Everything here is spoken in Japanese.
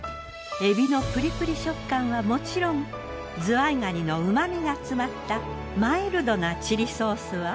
エビのぷりぷり食感はもちろんズワイガニのうまみが詰まったマイルドなチリソースは。